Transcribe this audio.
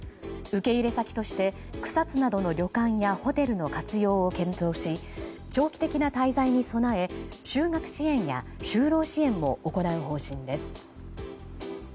受け入れ先として草津などの旅館やホテルの活用を検討し長期的な滞在に備え就学支援や就労支援も行う方針です。